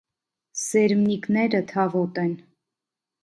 Սերմնիկները թավոտ են։